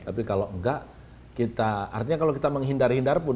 tapi kalau enggak kita artinya kalau kita menghindari hindar pun